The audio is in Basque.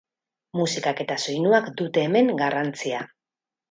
Musikak eta soinuak dute hemen garrantzia.